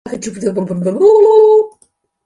枋寮至臺東的鐵路幹線